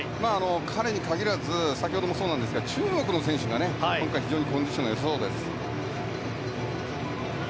彼に限らず先ほどもそうですが中国の選手がコンディションが良さそうです。